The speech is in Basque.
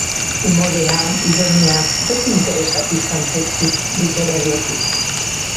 Umorea, ironia, beti interesatu izan zaizkit literarioki.